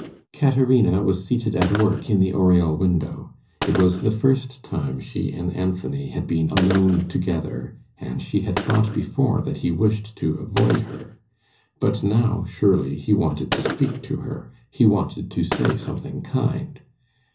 Caterina was seated at work in the oriel window. It was the first time she and Anthony had been alone together, and she had thought before that he wished to avoid her. But now, surely, he wanted to speak to her he wanted to say something kind.